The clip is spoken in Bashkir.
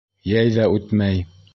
Йәй ҙә үтмәй.